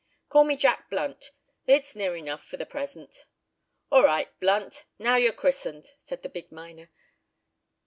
"Call me Jack Blunt. It's near enough for the present." "All right, Blunt; now you're christened," said the big miner.